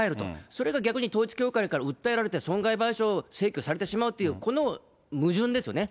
それが逆に統一教会から訴えられて損害賠償請求されてしまうと、この矛盾ですよね。